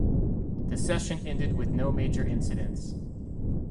The session ended with no major incidents.